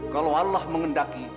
kalau allah mengendaki